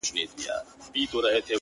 چي مرور نه یم. چي در پُخلا سم تاته.